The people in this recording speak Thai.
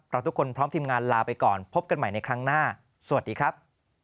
ทุกคนพร้อมทีมงานลาไปก่อนพบกันใหม่ในครั้งหน้าสวัสดีครับ